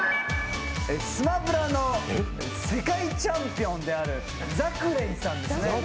「スマブラ」の世界チャンピオンであるＺａｃｋｒａｙさんです。